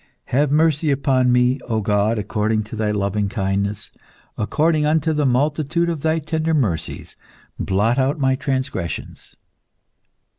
_"Have mercy, upon me, O God, according to Thy loving kindness: according unto the multitude of Thy tender mercies blot out my transgressions."